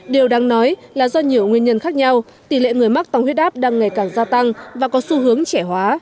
điều đáng nói là do nhiều nguyên nhân khác nhau tỷ lệ người mắc tăng huyết áp đang ngày càng gia tăng và có xu hướng trẻ hóa